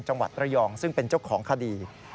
จังหวัดระยองซึ่งเป็นเจ้าของคดี